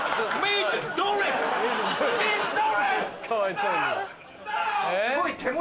かわいそうに。